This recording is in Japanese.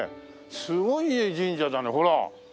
すごい神社だねほら。